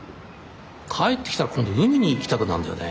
帰ってきたら今度海に行きたくなるんだよね